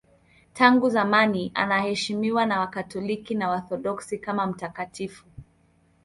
Tangu zamani anaheshimiwa na Wakatoliki na Waorthodoksi kama mtakatifu.